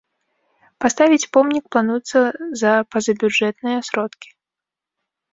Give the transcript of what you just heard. Паставіць помнік плануецца за пазабюджэтныя сродкі.